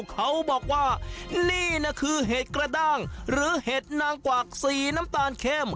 เขาบอกว่านี่นะคือเห็ดกระด้างหรือเห็ดนางกวักสีน้ำตาลเข้ม